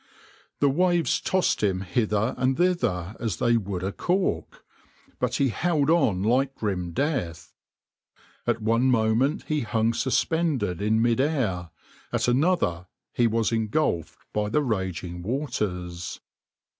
The waves tossed him hither and thither as they would a cork, but he held on like grim death. At one moment he hung suspended in mid air; at another he was engulfed by the raging waters.